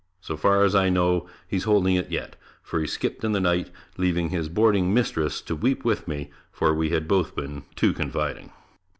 So far as I know, he is holding it yet, for he "skipped" in the night, leaving his boarding mistress to weep with me, for we had both been too confiding.